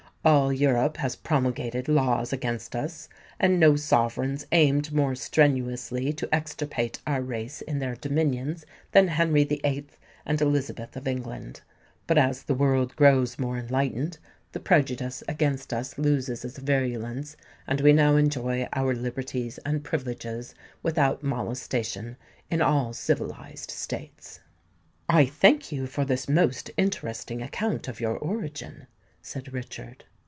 All Europe has promulgated laws against us; and no sovereigns aimed more strenuously to extirpate our race in their dominions than Henry the Eighth and Elizabeth of England. But as the world grows more enlightened, the prejudice against us loses its virulence; and we now enjoy our liberties and privileges without molestation, in all civilised states." "I thank you for this most interesting account of your origin," said Richard.